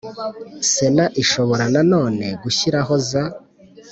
Sena ishobora na none gushyiraho za